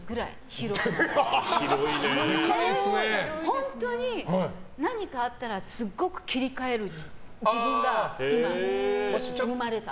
本当に何かあったらすごく切り替える自分が今、生まれた。